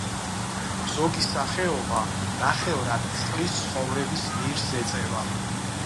ზოგი სახეობა ნახევრად წყლის ცხოვრების ნირს ეწევა.